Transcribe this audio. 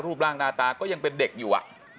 ร่างหน้าตาก็ยังเป็นเด็กอยู่